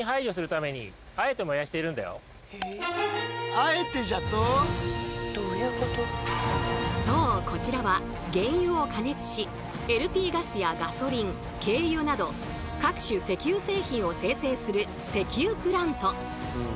あれはねそうこちらは原油を加熱しＬＰガスやガソリン軽油など各種石油製品を精製する石油プラント。